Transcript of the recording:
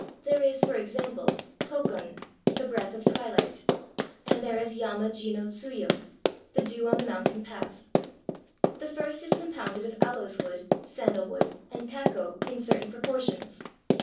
There is, for example, kokon — "the breath of twilight" — and there is yama ji no tsuyu — "the dew on the mountain path." The first is compounded of aloes wood, sandal wood, and kakko, in certain proportions.